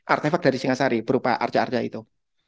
artefact dari singhasari berupa arca arca itu